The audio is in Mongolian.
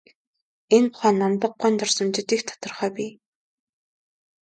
Энэ тухай Намдаг гуайн дурсамжид их тодорхой бий.